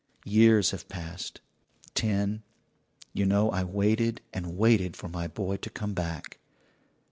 "Years have passed ten. You know I waited and waited for my boy to come back.